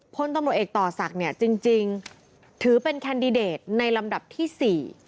พลตำรวจเอกต่อศักดิ์เนี่ยจริงถือเป็นแคนดิเดตในลำดับที่๔